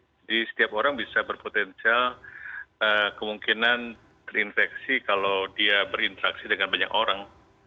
jadi setiap orang bisa berpotensial kemungkinan terinfeksi kalau dia berinteraksi dengan banyak orang